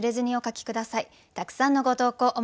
たくさんのご投稿